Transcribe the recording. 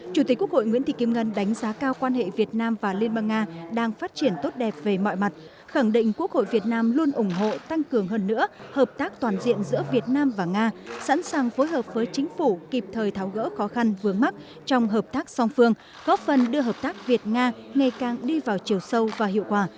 chủ tịch quốc hội nguyễn thị kim ngân đánh giá cao quan hệ việt nam và liên bang nga đang phát triển tốt đẹp về mọi mặt khẳng định quốc hội việt nam luôn ủng hộ tăng cường hơn nữa hợp tác toàn diện giữa việt nam và nga sẵn sàng phối hợp với chính phủ kịp thời tháo gỡ khó khăn vướng mắt trong hợp tác song phương góp phần đưa hợp tác việt nga ngày càng đi vào chiều sâu và hiệu quả